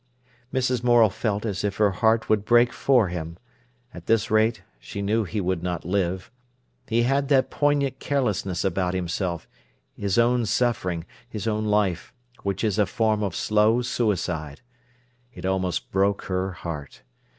Mrs. Morel felt as if her heart would break for him. At this rate she knew he would not live. He had that poignant carelessness about himself, his own suffering, his own life, which is a form of slow suicide. It almost broke her heart.